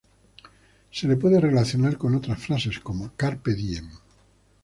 Se le puede relacionar con otras frases como "Carpe Diem".